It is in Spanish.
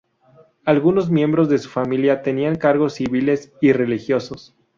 Algunos miembros de su familia tenían cargos civiles y religiosos.